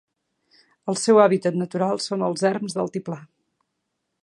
El seu hàbitat natural són els erms d'altiplà.